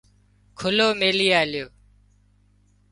کُلو ميلي آليو